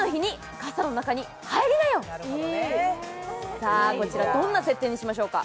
さぁ、こちらどんな設定にしましょうか？